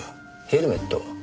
ヘルメット？